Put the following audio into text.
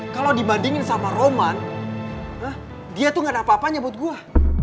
kalau dibandingin sama roman dia tuh nggak ada apa apanya buat gue